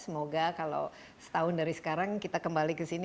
semoga kalau setahun dari sekarang kita kembali ke sini